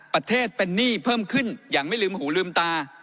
ประเทศเป็นหนี้เพิ่มขึ้นอย่างไม่ลืมหูลืมตา